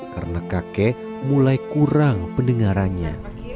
karena kakek mulai kurang pendengarannya